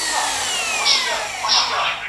مجلس څنګه د هیواد استازیتوب کوي؟